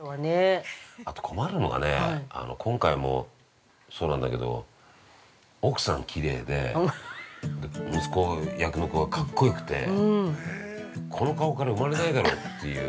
あと困るのがね、今回もそうなんだけど、奥さんきれいで、息子役の子がかっこよくてこの顔から生まれないだろうっていう。